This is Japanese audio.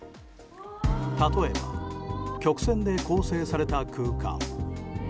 例えば曲線で構成された空間。